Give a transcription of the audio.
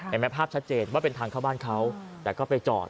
เห็นไหมภาพชัดเจนว่าเป็นทางเข้าบ้านเขาแต่ก็ไปจอด